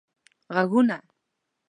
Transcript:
ږغونه